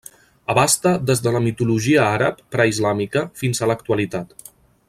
Abasta des de la mitologia àrab preislàmica fins a l'actualitat.